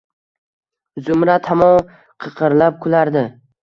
Zumrad hamon qiqirlab kulardi.